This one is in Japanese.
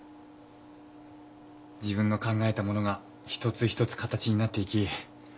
自分の考えたものが一つ一つ形になっていき